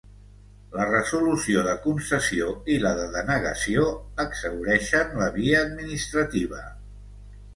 La resolució de concessió i la de denegació exhaureixen la via administrativa.